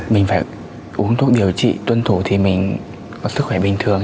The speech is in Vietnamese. mình phải uống thuốc điều trị tuân thủ thì mình có sức khỏe bình thường